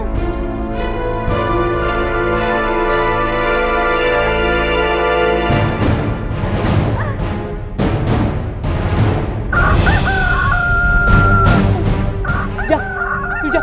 suara ayamnya jak